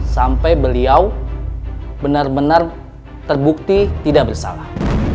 sampai beliau benar benar terbukti tidak bersalah